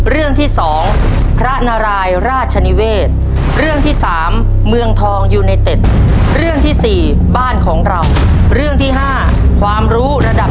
เรื่องไก่ปิ้งหมูปิ้งครับ